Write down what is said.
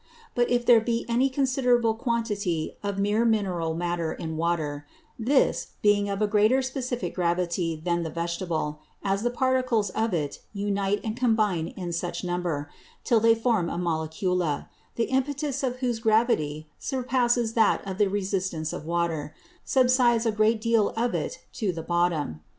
But if there be any considerable quantity of meer Mineral Matter in the Water, this, being of a greater specifick Gravity than the Vegetable, as the Particles of it unite and combine in such Number, till they form a Molecula, the Impetus of whose Gravity surpasses that of the Resistance of the Water, subsides a great deal of it to the bottom.